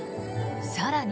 更に。